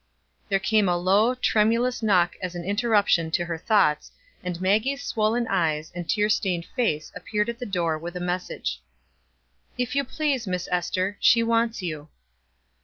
There came a low, tremulous knock as an interruption to her thoughts, and Maggie's swollen eyes and tear stained face appeared at the door with a message. "If you please, Miss Ester, she wants you."